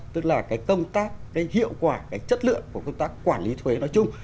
tức là cái công tác cái hiệu quả cái chất lượng của công tác quản lý thuế nói chung